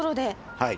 はい。